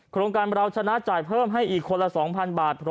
โครงการเราชนะจ่ายเพิ่มให้อีกคนละ๒๐๐๐บาท